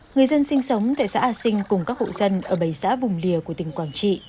người dân sinh sống tại xã a sinh cùng các hộ dân ở bầy xã vùng lìa của tỉnh quảng trị